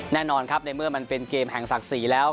แน่นอนครับในเมื่อมันเป็นเกมแห่งศักดิ์ศรีแล้ว